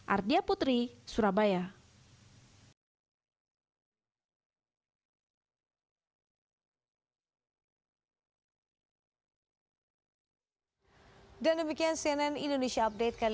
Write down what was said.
ardia putri surabaya